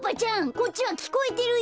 こっちはきこえてるよ。